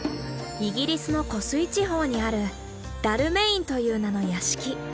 イギリスの湖水地方にある「ダルメイン」という名の屋敷。